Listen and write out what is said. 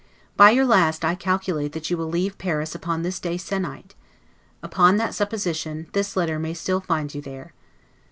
By your last I calculate that you will leave Paris upon this day se'nnight; upon that supposition, this letter may still find you there.